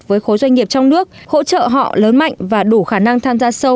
với khối doanh nghiệp trong nước hỗ trợ họ lớn mạnh và đủ khả năng tham gia sâu